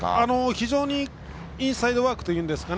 非常にいいインサイドワークといいますかね